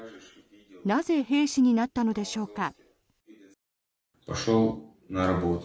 なぜ兵士になったのでしょうか。